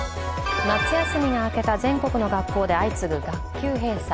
夏休みが明けた全国の学校で相次ぐ学級閉鎖。